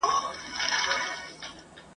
اوس لکه چي ستا د جنازې تر ورځي پاته یم !.